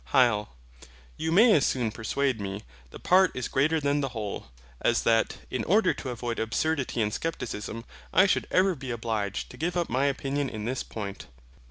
HYL. You may as soon persuade me, the part is greater than the whole, as that, in order to avoid absurdity and Scepticism, I should ever be obliged to give up my opinion in this point.